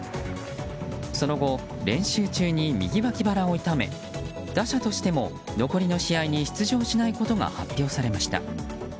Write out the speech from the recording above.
その後、練習中に右脇腹を痛め打者としても、残りの試合に出場しないことが発表されました。